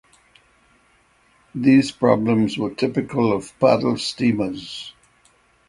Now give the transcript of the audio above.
These problems were typical of paddle steamers.